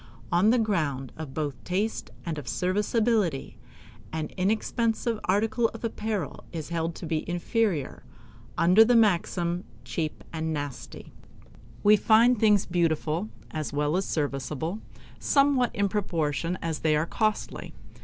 On the ground both of taste and of serviceability, an inexpensive article of apparel is held to be inferior, under the maxim "cheap and nasty." We find things beautiful, as well as serviceable, somewhat in proportion as they are costly.